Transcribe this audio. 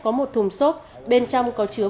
có một thùng xốp bên trong có chứa